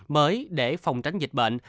mới để phòng tránh dịch bệnh